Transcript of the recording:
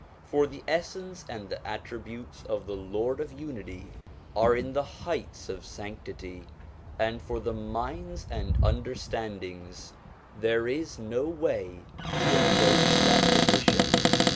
For the essence and the attributes of the Lord of Unity are in the heights of sanctity, and for the minds and understandings there is no way to 167 168 SOME ANSWERED QUESTIONS approach that position.